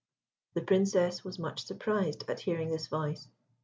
The Princess was much surprised at hearing this voice.